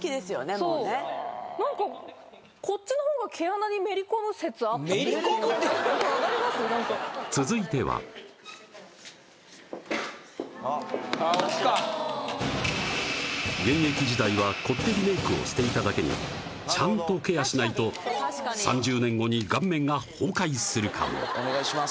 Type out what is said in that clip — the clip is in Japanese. もうねなんかこっちのほうが毛穴にめり込む説あっためり込むて続いてはあっ青木か現役時代はこってりメイクをしていただけにちゃんとケアしないと３０年後に顔面が崩壊するかもお願いします